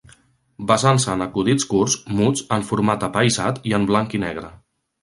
Basant-se en acudits curts, muts, en format apaïsat i en blanc i negre.